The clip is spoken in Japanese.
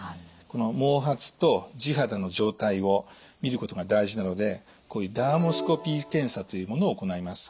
この毛髪と地肌の状態をみることが大事なのでこういうダーモスコピー検査というものを行います。